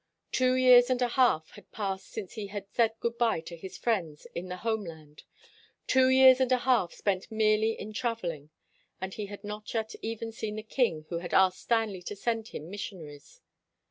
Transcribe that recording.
Two years and a half had passed since he had said good by to his friends in the home land. Two years and a half spent merely in traveling! And he had not yet even seen the king who had asked Stanley to send him missionaries.